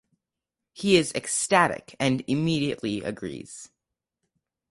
He is ecstatic and immediately agrees.